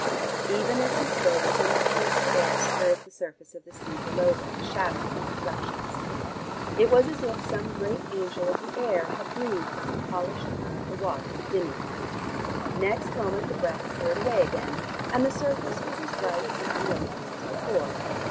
Even as he spoke some current of air stirred the surface of the sea below them, shattering the reflections. It was as if some great angel of the air had breathed on the polished mirror of the water, dimming it. Next moment the breath cleared away again, and the surface was as bright and unwavering as before.